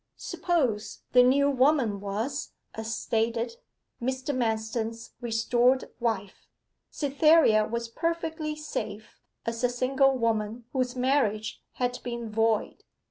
Suppose the new woman was, as stated, Mr. Manston's restored wife? Cytherea was perfectly safe as a single woman whose marriage had been void.